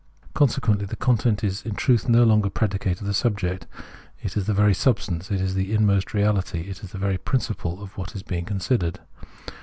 Consequently the content is in truth no longer predicate of the subject ; it is the very substance, is the inmost reality, and the very principle of what is being considered.